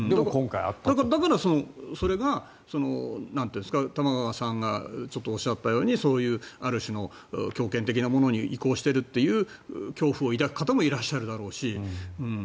だからそれが玉川さんがおっしゃったようにそういうある種の強権的なものに移行しているという恐怖を抱く方もいらっしゃるだろうし。